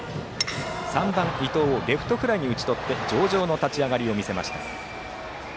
３番、伊藤をレフトフライに打ち取って上々の立ち上がりを見せました。